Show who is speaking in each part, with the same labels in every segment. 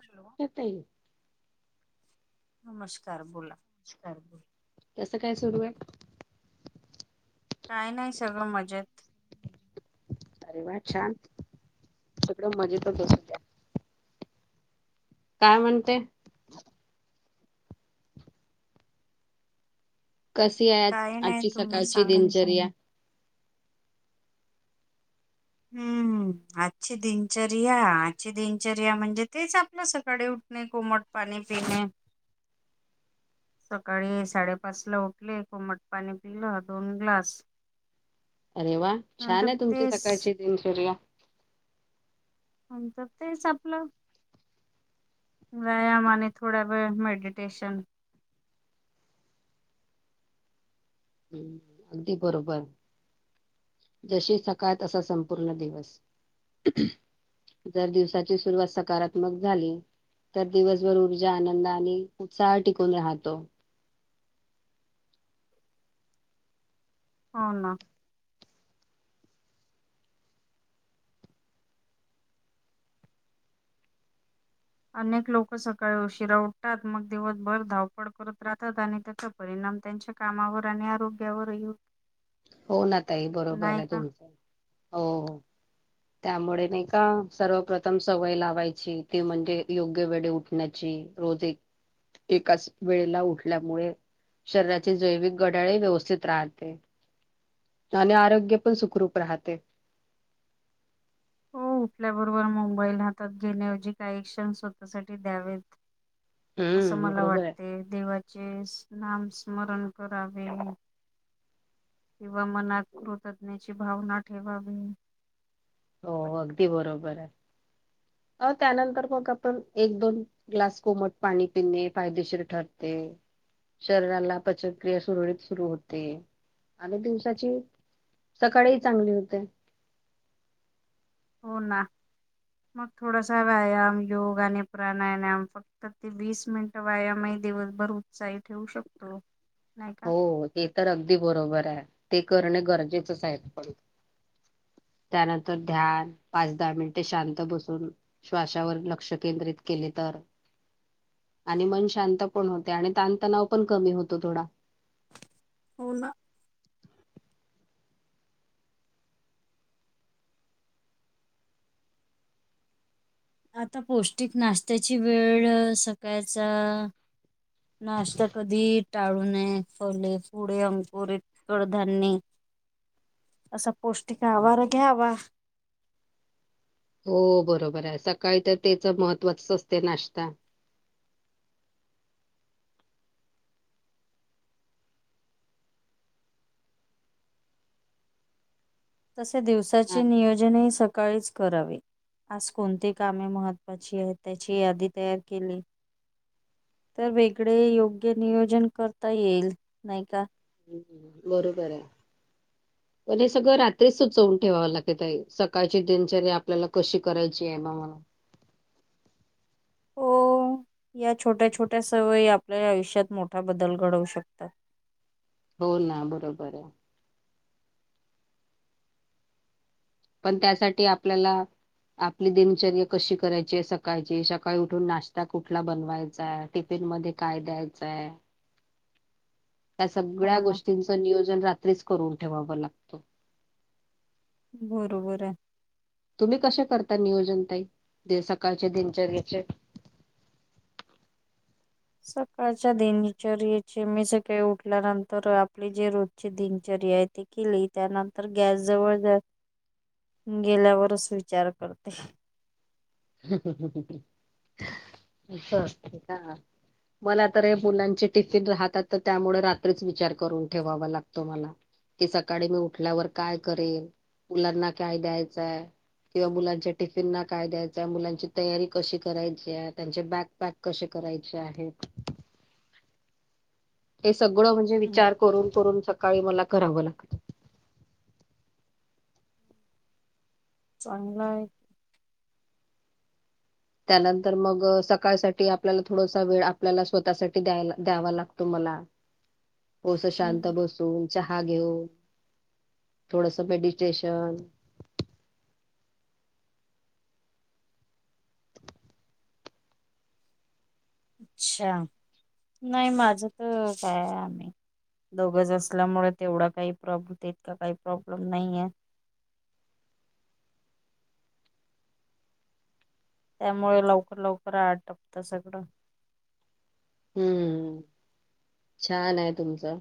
Speaker 1: Hello नमस्ते ताई
Speaker 2: नमस्कार बोला
Speaker 1: नमस्कार मग कसं काय सुरू आहे
Speaker 2: काय नाही सगळं मजेत.
Speaker 1: अरे वा छान. सगळं मजेतच असू दया. काय म्हणते? कशी आहे?
Speaker 2: काय नाही
Speaker 1: आजची
Speaker 2: तुम्ही
Speaker 1: सकाळची
Speaker 2: सांगा
Speaker 1: दिनचर्या?
Speaker 2: हम्म. आजची दिनचर्या? आजची दिनचर्या म्हणजे, तेच आपलं सकाळी उठणे कोमट पाणी पिणे.
Speaker 1: [inaudible]
Speaker 2: सकाळी साडेपाच ला उठले. कोमट पाणी पिलं दोन ग्लास.
Speaker 1: अरे वा.
Speaker 2: नंतर
Speaker 1: छान आहे तुमची
Speaker 2: तेच
Speaker 1: सकाळची दिनचर्या.
Speaker 2: नंतर तेच आपलं. व्यायाम आणि थोडा वेळ मेडिटेशन.
Speaker 1: हम् अगदी बरोबर जशी सकाळ तसा संपूर्ण दिवस. जर दिवसाची सुरुवात सकारात्मक झाली. तर दिवसभर ऊर्जा आनंद आणि उत्साह टिकून राहतो.
Speaker 2: हो ना. अनेक लोकं सकाळी उशिरा उठतात. मग दिवसभर धावपळ करत राहतात आणि त्याचा परिणाम त्यांच्या कामावर आणि आरोग्यावर ही होतो.
Speaker 1: हो ना ताई बरोबर
Speaker 2: नाही
Speaker 1: आहे
Speaker 2: का
Speaker 1: तुमचं हो. त्यामुळे नाही का सर्वप्रथम सवय लावायची, ती म्हणजे योग्य वेळी उठण्याची. रोज एक एकाच वेळेला उठल्यामुळे शरीराचे जैविक घड्याळ ही व्यवस्थित राहते. आणि आरोग्य पण सुखरूप राहते.
Speaker 2: हो उठल्याबरोबर मोबाईल हातात घेण्याऐवजी काही क्षण स्वतःसाठी द्यावेत. असं
Speaker 1: हम्म
Speaker 2: मला
Speaker 1: बरोबर आहे.
Speaker 2: वाटते. देवाचे नाम स्मरण करावे. किंवा मनात कृतज्ञाची भावना ठेवावी.
Speaker 1: हो अगदी बरोबर आहे. अ त्यानंतर मग आपण एक दोन ग्लास कोमट पाणी पिणे फायदेशीर ठरते. शरीराला पचनक्रिया सुरळीत सुरू होते आणि दिवसाची सकाळीही चांगली होते.
Speaker 2: हो ना रोज थोडसा व्यायाम योग आणि प्राणायाम. तर ते वीस मिनिट व्यायामही दिवसभर उत्साही ठेवू शकतो. नाही का?
Speaker 1: हे तर अगदी बरोबर आहे. ते करणं गरजेचंच आहे पण. त्यानंतर ध्यान पाच दहा मिनिटे शांतबसून श्वासावर लक्ष केंद्रित केले तर आणि मन शांत पण होते. आणि ताणतणाव पण कमी होतो थोडा.
Speaker 2: हो ना. आता पौष्टिक नाश्त्याची वेळ सकाळचा नाश्ता कधी टाळू नये, फले पुढे अंकुर कडधांन्ये असा पौष्टिक आहार घ्यावा.
Speaker 1: हो बरोबर आहे सकाळी तर त्याच महत्त्वच असते नाश्ता.
Speaker 2: तसे दिवसाचे नियोजनही सकाळीच करावे. आज कोणती कामे महत्त्वाची आहेत त्याची यादी तयार केली. तर वेगळे योग्य नियोजन करता येईल नाही का?
Speaker 1: हम्म, बरोबर आहे. पण हे सगळं रात्री सुचवून ठेवावं लागते. सकाळची कशी करायची आहे म म्हणून.
Speaker 2: हो या छोट्या छोट्या सवयी आपल्या आयुष्यात मोठा बदल घडवू शकतात.
Speaker 1: हो ना बरोबर आहे. पण त्यासाठी आपल्याला आपली दिनचर्य कशी करायची सकाळची, सकाळी उठून नाश्ता कुठला बनवायचा आहे. तेन मध्ये काय द्यायचंय. त्या
Speaker 2: हो
Speaker 1: सगळ्या
Speaker 2: ना.
Speaker 1: गोष्टींच नियोजन रात्रीच करून ठेवावं लागतं.
Speaker 2: बरोबर आहे
Speaker 1: तुम्ही कशा करता नियोजनताई सकाळचे दिनचर्याच.
Speaker 2: सकाळच्या दिनचरयेचे मी सकाळी उठल्यानंतर आपली जे रोजची दिनचर्या आहे ती, केली त्यानंतर गॅस जवळ. गेल्यावरच विचार करते.
Speaker 1: [inaudible] मला तर हे मुलांचे टिफिन राहतात तर त्यामुळे रात्रीच विचार करून ठेवावा लागतो मला. की सकाळी मी उठल्यावर काय करेल मुलांना काय द्यायचंय. किंवा मुलांच्या टिफिनना काय द्यायचं. त्या मुलांची तयारी कशी करायची आहे, त्यांचे बॅकपॅक कसे करायचे आहेत. हे सगळं म्हणजे
Speaker 2: हं,
Speaker 1: विचार करून करून सकाळी मला करावं लागत.
Speaker 2: चांगलाय.
Speaker 1: त्यानंतर मग सकाळ साठी आपल्याला थोडासा वेळ आपल्याला स्वतःसाठी द्याय द्यावा लागतो मला. [inaudible] थोडंसं शांत
Speaker 2: हं.
Speaker 1: बसून चहा घेऊन थोडस मेडिटेशन,
Speaker 2: अच्छा! नाही माझ तर काय आहे आम्ही. दोघच असल्यामुळे तेवढा काही प्रॉब्लेम तीतका काही प्रॉब्लेम नाहीये. त्यामुळे लवकर लवकर आटोपल्या साठी सगळं
Speaker 1: हम्म छान आहे तुमचं.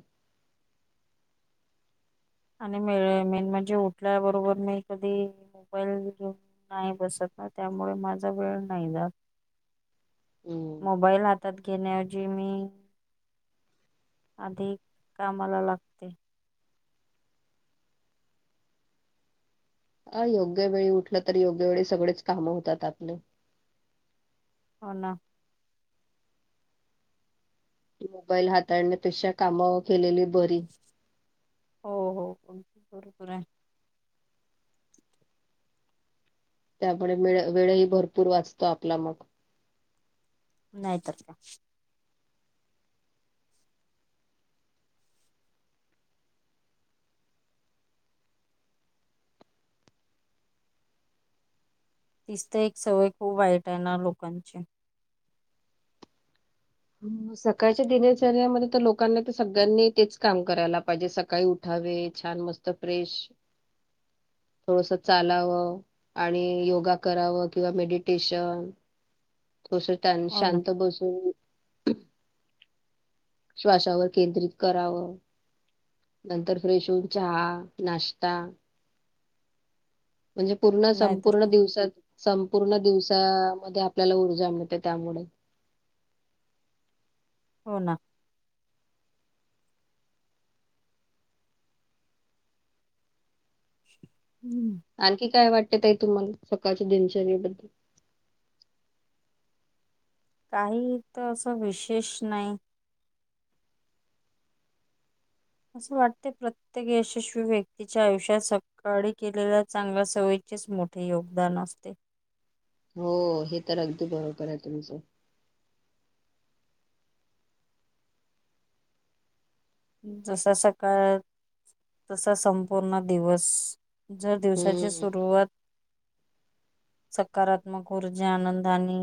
Speaker 2: आणि मेळ मेन म्हणजे उठल्याबरोबर नाही कधी. मोबाईल घेऊन नाही बसत. त्यामुळे माझा वेळ नाही जात.
Speaker 1: [inaudible] हम्म
Speaker 2: मोबाईल हातात घेणयाऐवजी मी. आधी कामाला लागते.
Speaker 1: अ योग्य वेळी उठलं तर योग्य वेळी सगळेच काम होतात आपले.
Speaker 2: होना.
Speaker 1: मोबाईल हाताळण्यापेक्षा कामं केलेली बरी.
Speaker 2: हो हो तुमच बरोबर आहे.
Speaker 1: त्यामुळेे वेळही भरपूर वाचतो. आपला मग
Speaker 2: नाही तर का? तिच त एक सवय खूप वाईट आहे ना लोकांची
Speaker 1: ह सकाळच्या दिनेचरण्यामध्ये तर लोकांना तर सगळ्यांनी तेच काम करायला पाहिजे सकाळी उट उठावे छान मस्त फ्रेश थोडस चालाव. आणि योगा करावं किंवा मेडिटेशन. थोडस त्यांनी
Speaker 2: हो ना
Speaker 1: शांत बसून. श्वासावर केंद्रित करावं. नंतर फ्रेशो होऊन चहा नाश्ता. म्हणजे पूर्ण
Speaker 2: नाहीतर
Speaker 1: संपूर्ण
Speaker 2: का
Speaker 1: दिवसात. संपूर्ण दिवसामध्ये आपल्याला ऊर्जा मिळते त्यामुळे
Speaker 2: हो ना हम्म
Speaker 1: आणखी काय वाटते ताई तुम्हाला सकाळच्या दिनचरये बद्दल
Speaker 2: काही तर असं विशेष नाही. असं वाटते प्रत्येक यशस्वी व्यक्तीच्या आयुष्यात स काळी केलेल्या चांगल्या सवयीचेच मोठे योगदान असते.
Speaker 1: हो हे तर अगदी बरोबर आहे तुमचं
Speaker 2: जसं सकाळ तसा संपूर्ण दिवस जर दिवसाची
Speaker 1: हम्म
Speaker 2: सुरुवात. सकारात्मक ऊर्जा आनंदानी.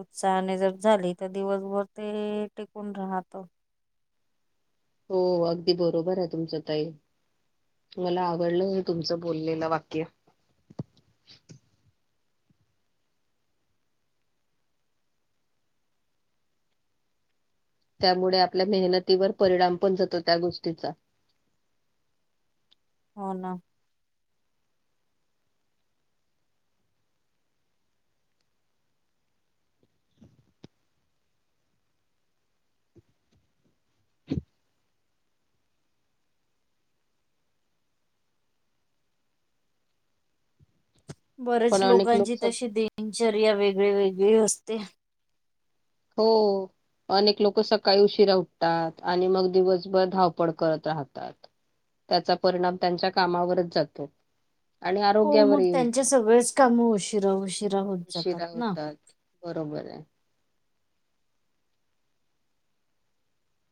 Speaker 2: उत्साहाने जर झाली तर ते दिवस भर ते टिकून राहत.
Speaker 1: हो अगदी बरोबर आहे तुमचं ताई. मला आवडलं हे तुमचं बोललेलं वाक्य त्यामुळे आपल्या मेहनतीवर परिणाम पण जातो त्या गोष्टीचा
Speaker 2: हो ना बरेच
Speaker 1: पण अनेक लोक
Speaker 2: लोकांची
Speaker 1: सक-
Speaker 2: तशी दिनचर्या वेगळी वेगळी असते.
Speaker 1: हो अनेक लोक सकाळी उशीरा उठतात आणि मग दिवसभर करत राहतात. त्याचा परिणाम त्यांच्या कामावरच जातो आणि
Speaker 2: हो मग
Speaker 1: आरोग्यावरही
Speaker 2: त्यांचे सगळेच काम उशिरा उशिरा होत जातात
Speaker 1: उशिरा
Speaker 2: ना.
Speaker 1: होतात. बरोबर आहे.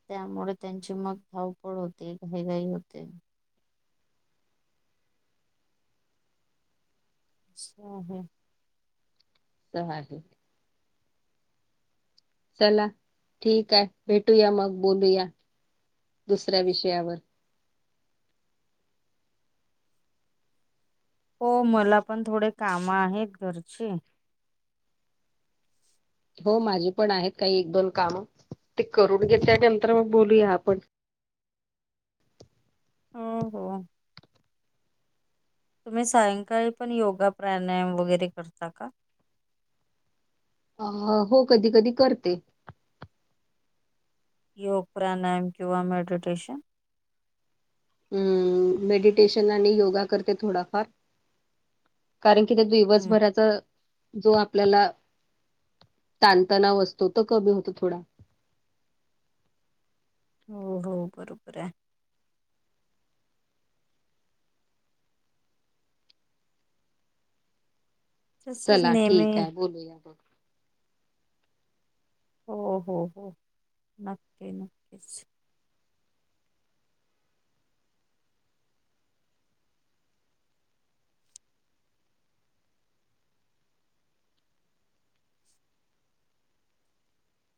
Speaker 2: त्यामुळे त्यांची मग धावपळ होते घाईघाई होते. अच्छा हा
Speaker 1: तर आहे. चला ठीक आहे भेटूया मग बोलूया दुसऱ्या विषयावर.
Speaker 2: हो, मला पण थोडे कामं आहेत घरची.
Speaker 1: हो माझी पण आहेत काही एक, दोन कामं. ते करून घेते, नंतर मग बोलूया आपण.
Speaker 2: हो हो. तुम्ही सायंकाळी पण योगा, प्राणायाम वगैरे करता का?
Speaker 1: हा हो, कधी कधी करते.
Speaker 2: योग, प्राणायाम किंवा मेडिटेशन.
Speaker 1: हम्म, मेडिटेशन आणि योगा करते थोडाफार. कारण कि त्या
Speaker 2: हम्म
Speaker 1: दिवसभराच जो आपल्याला ताणतणाव असतो, तो कमी होतो थोडा.
Speaker 2: हो हो, बरोबर आहे. तसच
Speaker 1: चला
Speaker 2: नेहमी
Speaker 1: ठीक आहे, बोलूया.
Speaker 2: हो हो हो, नक्की नक्कीच.